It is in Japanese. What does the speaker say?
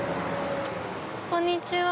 こんにちは。